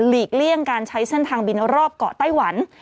เลี่ยงการใช้เส้นทางบินรอบเกาะไต้หวัน